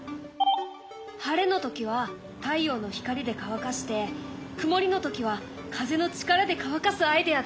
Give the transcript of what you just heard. はれの時は太陽の光で乾かしてくもりの時は風の力で乾かすアイデアだね。